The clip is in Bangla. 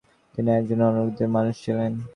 তিনি একজন অনন্য প্রকৃতির মানুষ ছিলেন।